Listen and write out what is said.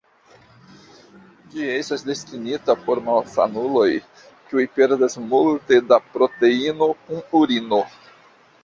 Ĝi estas destinita por malsanuloj kiuj perdas multe da proteino kun urino.